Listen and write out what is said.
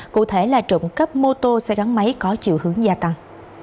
cụ thể là trụng cấp mô tô xe gắn máy có chiều hướng gia tăng